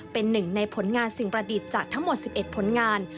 เป็นหนึ่งในผลงานสิ่งประดิษฐ์จากทั้งหมด๑๑ผลงาน